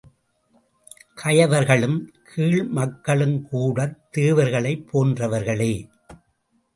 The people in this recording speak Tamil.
கயவர்களும் கீழ்மக்களும்கூடத் தேவர்களைப் போன்றவர்களே!